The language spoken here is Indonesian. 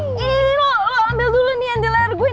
ini lu ambil dulu nih yang di layar gue